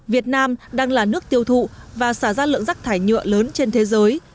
việt nam đang là nước tiêu thụ và xả ra lượng rác thải nhựa lớn trên thế giới